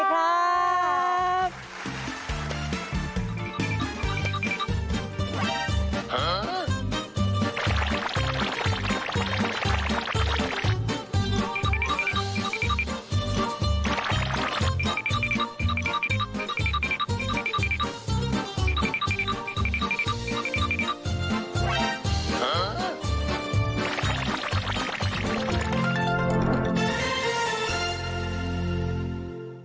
โปรดติดตามตอนต่อไป